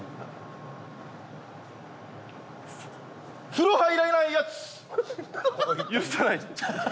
風呂入らないヤツ許さない。